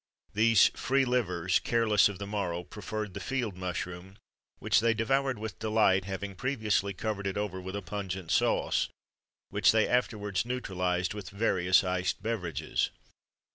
These free livers, careless of the morrow, preferred the field mushroom,[XXIII 115] which they devoured with delight, having previously covered it over with a pungent sauce, which they afterwards neutralized with various iced beverages.